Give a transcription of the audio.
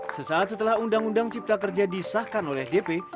sesaat setelah undang undang cipta kerja disahkan oleh dp